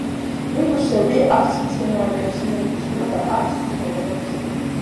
ვირუსები არც მცენარეებს მიეკუთვნება და არც ცხოველებს.